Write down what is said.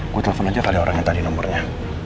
gue telepon aja kali orang yang tadi nomornya